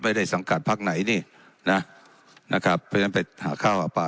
ไม่ได้สังการภักดิ์ไหนนี่น่ะนะครับเพราะฉะนั้นไปหาข้าวหาปลา